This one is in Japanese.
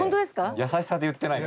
優しさで言ってないから。